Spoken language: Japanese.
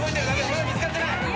まだ見つかってない。